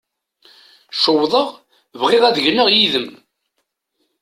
Cewḍeɣ, bɣiɣ ad gneɣ yid-m.